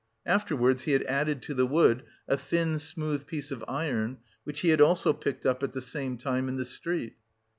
Afterwards he had added to the wood a thin smooth piece of iron, which he had also picked up at the same time in the street.